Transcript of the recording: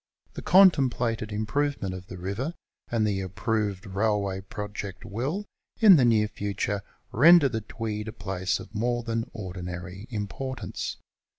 The contemplated improvement of the river and the approved railway project will, in the near future, render the Tweed a place of more than ordinary importance.